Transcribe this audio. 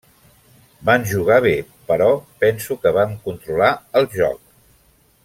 Van jugar bé, però penso que vam controlar el joc.